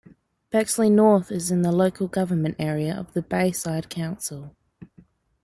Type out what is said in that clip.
Bexley North is in the local government area of the Bayside Council.